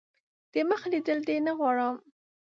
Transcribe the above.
دمخ لیدل دي نه غواړم .